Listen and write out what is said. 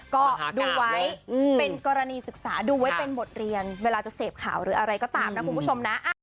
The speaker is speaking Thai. ก็ดูไว้เป็นกรณีศึกษาดูไว้เป็นบทเรียนเวลาจะเสพข่าวหรืออะไรก็ตามนะคุณผู้ชมนะ